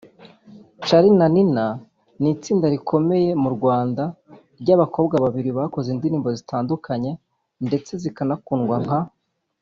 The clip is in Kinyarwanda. Charly na Nina ni itsinda rikomeye mu Rwanda ry’abakobwa babiri bakoze indirimbo zitandukanye ndetse zikanakundwa nka